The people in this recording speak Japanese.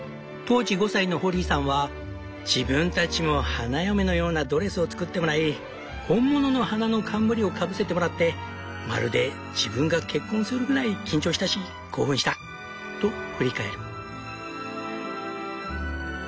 当時５歳のホリーさんは「自分たちも花嫁のようなドレスを作ってもらい本物の花の冠をかぶせてもらってまるで自分が結婚するぐらい緊張したし興奮した」と振り返る。